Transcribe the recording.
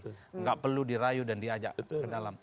tidak perlu dirayu dan diajak ke dalam